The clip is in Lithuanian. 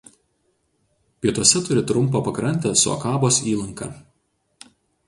Pietuose turi trumpą pakrantę su Akabos įlanka.